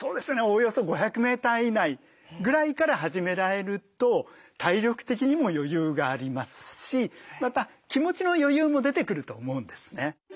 およそ５００メーター以内ぐらいから始められると体力的にも余裕がありますしまた気持ちの余裕も出てくると思うんですね。